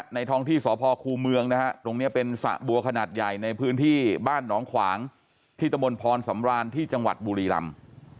ท้องที่สพคูเมืองนะฮะตรงนี้เป็นสระบัวขนาดใหญ่ในพื้นที่บ้านหนองขวางที่ตะมนต์พรสำราญที่จังหวัดบุรีรำ